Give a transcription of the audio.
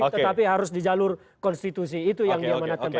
tetapi harus di jalur konstitusi itu yang dia menetapkan